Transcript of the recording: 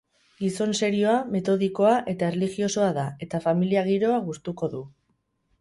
Gizon serioa, metodikoa eta erlijiosoa da, eta familia giroa gustuko du.